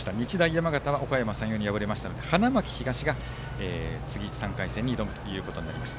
山形はおかやま山陽に敗れましたので花巻東が次３回戦に挑むことになります。